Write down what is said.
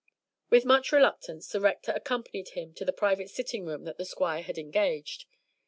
With much reluctance the Rector accompanied him to the private sitting room that the Squire had engaged.